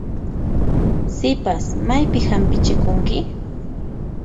Sipas, maypin hampichikunki?